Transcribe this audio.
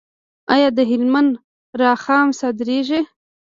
آیا د هلمند رخام صادریږي؟